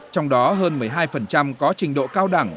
trong đó hơn một mươi hai có trình độ cao đẳng